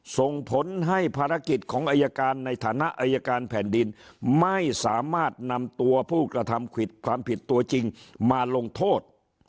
ส่งผลให้ภารกิจของอายการในฐานะอายการแผ่นดินไม่สามารถนำตัวผู้กระทำความผิดตัวจริงมาลงโทษ